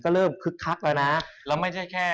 เริ่มคึกคักแล้วนะแล้วไม่ใช่แค่